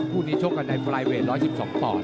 คู่นี้ชกกันในไฟล์เวท๑๑๒ปอนด